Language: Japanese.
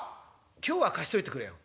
「今日は貸しといてくれよ」。